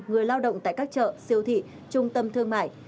người lao động tại các chợ siêu thị trung tâm thương mại